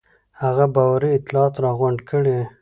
هغه باوري اطلاعات راغونډ کړي.